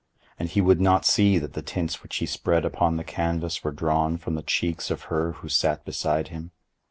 And he would not see that the tints which he spread upon the canvas were drawn from the cheeks of her who sate beside him.